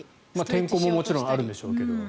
天候ももちろんあるんでしょうけど。